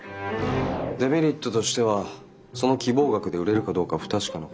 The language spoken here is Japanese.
デメリットとしてはその希望額で売れるかどうか不確かなこと。